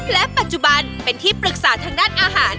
และปัจจุบันเป็นที่ปรึกษาทางด้านอาหาร